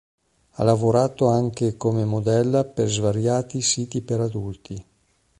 Ha lavorato anche come modella per svariati siti per adulti.